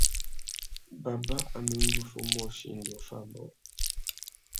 Baba a mà enga uffê umôchï indi offa ambōh.